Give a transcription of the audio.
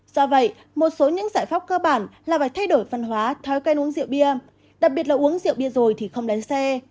do vậy một số những giải pháp cơ bản là phải thay đổi văn hóa thói quen uống rượu bia đặc biệt là uống rượu bia rồi thì không lái xe